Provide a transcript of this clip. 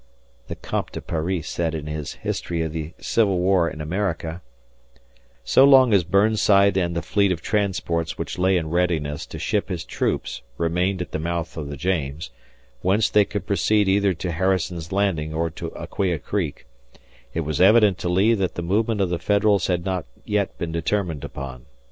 The Comte de Paris said in his "History of the Civil War in America": So long as Burnside and the fleet of transports which lay in readiness to ship his troops remained at the mouth of the James, whence they could proceed either to Harrison's Landing or to Aquia Creek, it was evident to Lee that the movement of the Federals had not yet been determined upon.